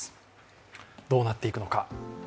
どうなっていくのか。